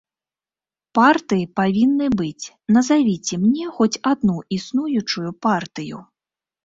Партыі павінны быць, назавіце мне хоць адну існуючую партыю.